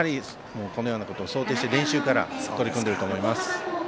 このようなことを想定して練習から取り組んでると思います。